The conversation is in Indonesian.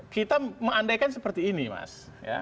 kita mengandaikan seperti ini mas